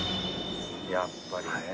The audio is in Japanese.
やっぱりね。